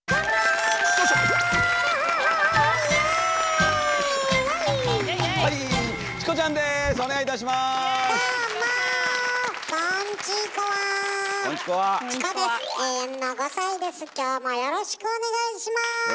よろしくお願いします。